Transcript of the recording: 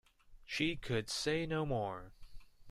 She could say no more.